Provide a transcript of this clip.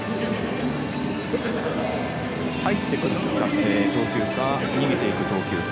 入ってくる投球か逃げていく投球か。